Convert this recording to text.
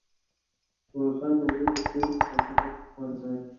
واخان دهلېز، د سيل او ساعتري غوره ځای